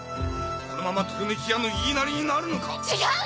このままトルメキアの言いなりになるのか⁉違う！